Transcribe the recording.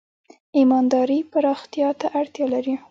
شخصیت جوړونه د خپل ځان سره د صادقۍ او ایماندارۍ پراختیا ته اړتیا لري.